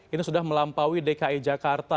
ini sudah melampaui dki jakarta